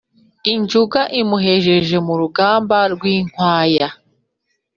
Injunga imuhejeje mu rugamba rw’inkwaya